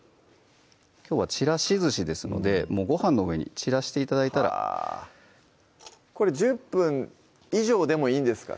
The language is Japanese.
きょうは「ちらしずし」ですのでご飯の上に散らして頂いたら１０分以上でもいいんですか？